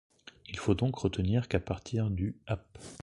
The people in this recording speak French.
Il faut donc retenir qu'à partir du ap.